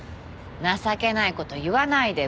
情けない事言わないで。